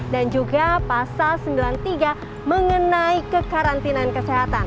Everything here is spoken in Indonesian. dan juga pasal sembilan puluh tiga mengenai kekarantinaan kesehatan